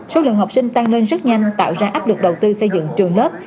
số lượng học sinh tăng lên rất nhanh tạo ra áp lực đầu tư xây dựng trường lớp